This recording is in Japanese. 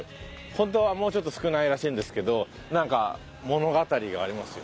ホントはもうちょっと少ないらしいんですけどなんか物語がありますよ。